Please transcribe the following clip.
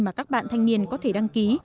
mà các bạn thanh niên có thể đăng ký